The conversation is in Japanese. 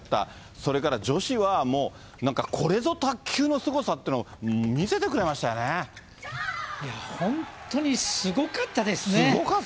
それから女子はもう、なんかこれぞ卓球のすごさっていうのを見せ本当にすごかったですね。